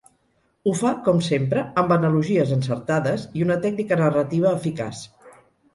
Ho fa, com sempre, amb analogies encertades i una tècnica narrativa eficaç.